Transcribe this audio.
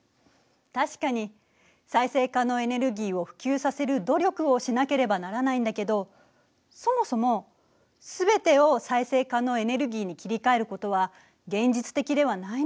確かに再生可能エネルギーを普及させる努力をしなければならないんだけどそもそも全てを再生可能エネルギーに切り替えることは現実的ではないのよ。